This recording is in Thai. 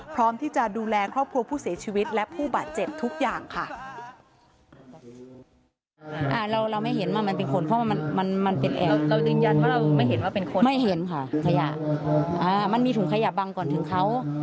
พร้อมที่จะดูแลครอบครัวผู้เสียชีวิตและผู้บาดเจ็บทุกอย่างค่ะ